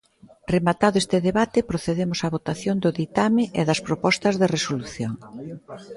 Rematado este debate, procedemos á votación do ditame e das propostas de resolución.